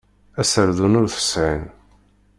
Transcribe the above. Aserdun ur t-sεin.